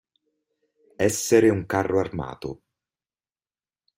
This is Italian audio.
Essere un carro armato.